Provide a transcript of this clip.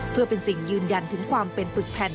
เพื่อเป็นสิ่งยืนยันถึงความเป็นปึกแผ่น